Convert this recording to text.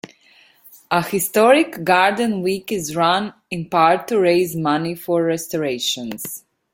A Historic Garden Week is run, in part to raise money for restorations.